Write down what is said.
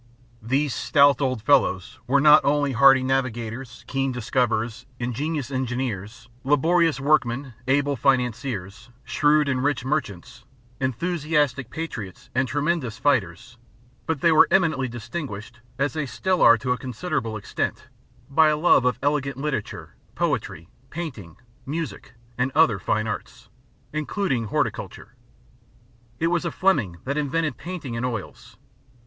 These stout old fellows were not only hardy navigators, keen discoverers, ingenious engineers, laborious workmen, able financiers, shrewd and rich merchants, enthusiastic patriots and tremendous fighters, but they were eminently distinguished (as they still are to a considerable extent) by a love of elegant literature, poetry, painting, music and other fine arts, including horticulture. It was a Fleming that invented painting in oils.